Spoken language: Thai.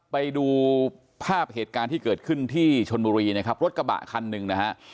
ไปดูภาพเหตุการณ์ที่เกิดขึ้นที่ชนบุรีนะครับรถกระบะคันหนึ่งนะฮะ